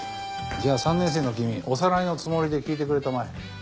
じゃあ３年生の君おさらいのつもりで聞いてくれたまえ。